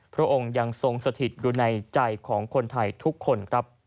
พระองค์ยังทรงสถิตอยู่ในใจของคนไทยทุกคนครับ